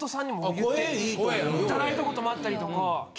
言って頂いたこともあったりとか。